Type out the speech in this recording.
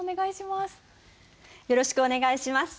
よろしくお願いします！